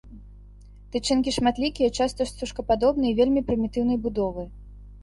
Тычынкі шматлікія, часта стужкападобныя і вельмі прымітыўнай будовы.